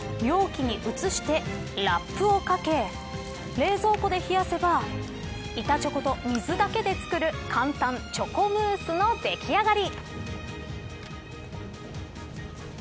氷水に当ててしっかり冷やしとろみがついたら容器に移してラップをかけ冷蔵庫で冷やせば板チョコと水だけで作る簡単チョコムースの出来上がり。